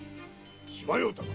血迷うたか。